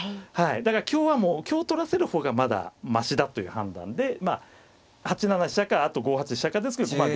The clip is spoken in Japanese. だから香はもう香取らせる方がまだましだという判断で８七飛車かあと５八飛車かですけどまあ